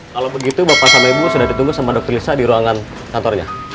kalau begitu bapak sama ibu sudah ditunggu sama dokter lisa di ruangan kantornya